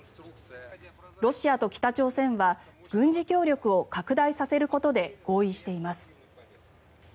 ロシアと北朝鮮は軍事協力を拡大させることで合意しています。